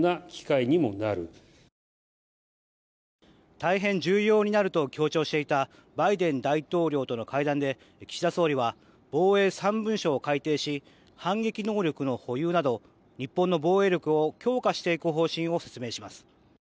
大変重要になると強調していたバイデン大統領との会談で岸田総理は防衛３文書を改定し反撃能力の保有など日本の防衛力を強化していく方針を説明します。